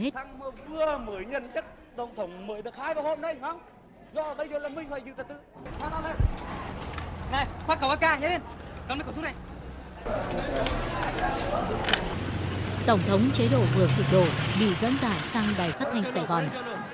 tổng thống chế độ vừa sụp đổ bị dẫn dải sang đầy khắp thanh sài gòn